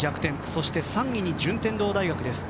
そして、３位に順天堂大学です。